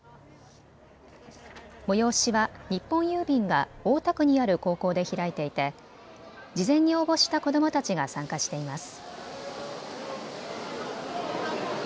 催しは日本郵便が大田区にある高校で開いていて事前に応募した子どもたちが参加しています。